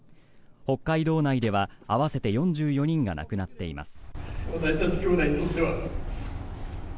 北海道内では合わせて４４人が亡くなっています。